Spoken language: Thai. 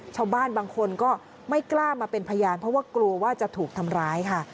ชาวบ้านบางคนก็ไม่กล้ามาเป็นพยานเพราะว่ากลัวว่าจะถูกทำร้ายค่ะ